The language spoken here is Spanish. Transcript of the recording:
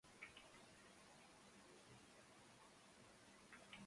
Habita en Sikkim, Darjeeling, Tailandia Vietnam y Taiwán.